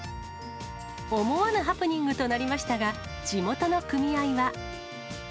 思わぬハプニングとなりましたが、地元の組合は。